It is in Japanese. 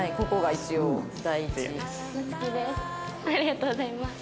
ありがとうございます。